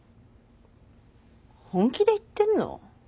本気で言ってんの？